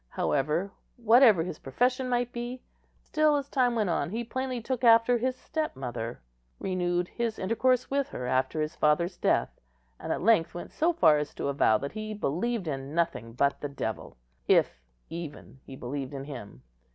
However, whatever his profession might be, still, as time went on, he plainly took after his step mother, renewed his intercourse with her after his father's death, and at length went so far as to avow that he believed in nothing but the devil, if even he believed in him.